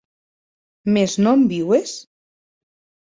Mès non viues?